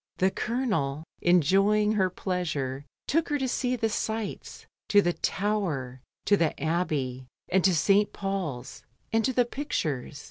The Colonel, enjoying her pleasure, took her to se^. the sights, to the Tower, to the Abbey, and to St Paul's, and to the pictures.